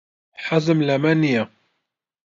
حەزم لەمە نییە.